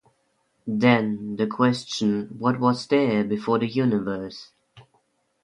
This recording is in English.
Then, the question What was there before the Universe?